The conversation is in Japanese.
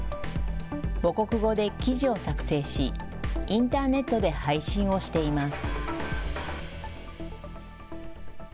母国語で記事を作成しインターネットで配信をしています。